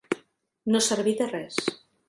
No servir de res.